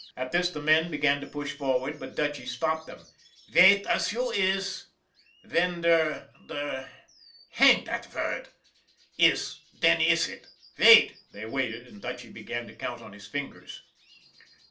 At this the men began to push forward, but Dutchy stopped them. " Vait as you iss ! Ven der der hang dot word iss, den iss it. Vait! " They waited, and Dutchy began to count on his fin gers.